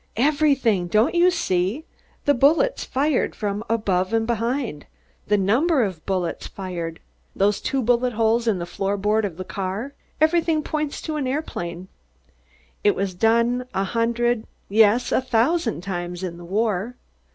"Everything! Don't you see? The bullets fired from above and behind. The number of bullets fired. Those two bullet holes in the foot board of the car everything points to an aeroplane. It was done a hundred, yes, a thousand times in the war.